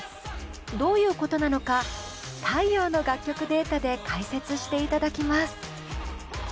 どういうことなのか「太陽」の楽曲データで解説していただきます。